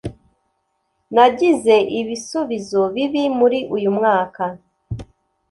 Nagize ibisubizo bibi muri uyu mwaka